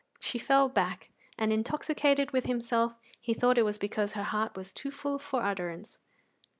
She fell back, and, intoxicated with himself, he thought it was because her heart was too full for utterance.